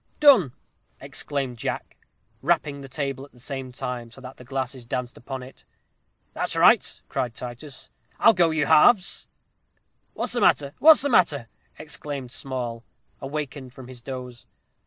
"Done!" exclaimed Jack, rapping the table at the same time, so that the glasses danced upon it. "That's right," cried Titus. "I'll go you halves." "What's the matter what's the matter?" exclaimed Small, awakened from his doze.